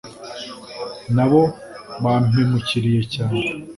nabo bampemukiriye cyane